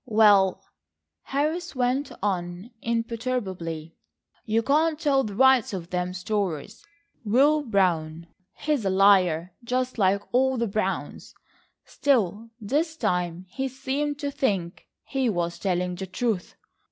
"Well," Harris went on imperturbably, "you can't tell the rights of them stories. Will Brown, he's a liar, just like all the Browns; still this time he seemed to think he was telling the truth.